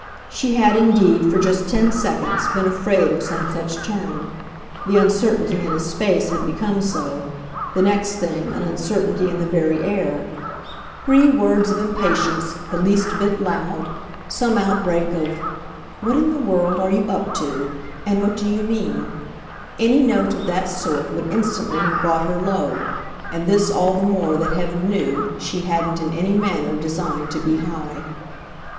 She had indeed, for just ten seconds, been afraid of some such turn: the uncertainty in his face had become so, the next thing, an uncertainty in the very air. Three words of impatience the least bit loud, some outbreak of "What in the world are you 'up to', and what do you mean?" any note of that sort would instantly have brought her low and this all the more that heaven knew she hadn't in any manner designed to be high.